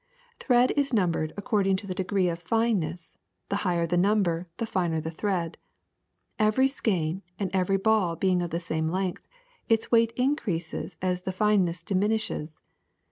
^'Thread is numbered according to its degree of fineness, the higher the number the finer the thread. Every skein and every ball being of the same length, its weight increases as the fineness diminishes.